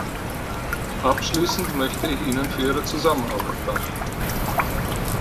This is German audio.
Abschließend möchte ich Ihnen für Ihre Zusammenarbeit danken.